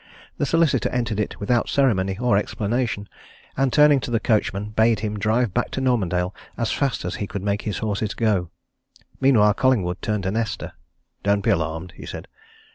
The solicitor entered it without ceremony or explanation, and turning to the coachman bade him drive back to Normandale as fast as he could make his horses go. Meanwhile Collingwood turned to Nesta. "Don't be alarmed!" he said.